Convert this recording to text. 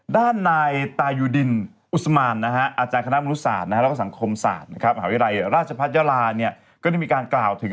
ด้านนายตายูดินอุศมานอาจารย์คณะมนุษศาสตร์แล้วก็สังคมศาสตร์มหาวิทยาลัยราชพัฒนยาลาก็ได้มีการกล่าวถึง